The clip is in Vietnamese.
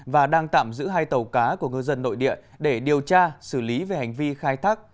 và đang tạm giữ hai tàu cá của ngư dân nội địa để điều tra xử lý về hành vi khai thác